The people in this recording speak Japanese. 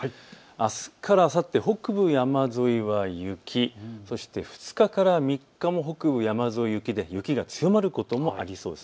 あすからあさって、北部山沿いは雪、そして２日から３日も北部山沿い雪で雪が強まることもありそうです。